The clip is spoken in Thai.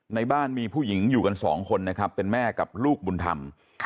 ในบ้านมีผู้หญิงอยู่กันสองคนนะครับเป็นแม่กับลูกบุญธรรม